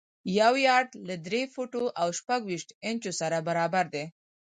یو یارډ له درې فوټو او شپږ ویشت انچو سره برابر دی.